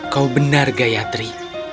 kau benar gayatri